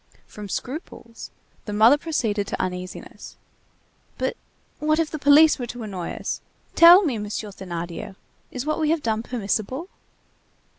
From scruples, the mother proceeded to uneasiness: "But what if the police were to annoy us? Tell me, Monsieur Thénardier, is what we have done permissible?"